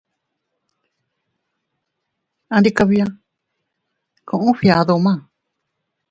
Andikabia, kuu a fgiadu ma.